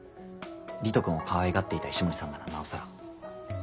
理人くんをかわいがっていた石森さんならなおさら。